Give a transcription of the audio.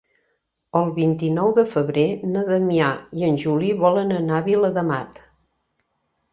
El vint-i-nou de febrer na Damià i en Juli volen anar a Viladamat.